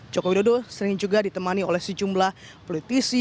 jokowi dodo sering juga ditemani oleh sejumlah politis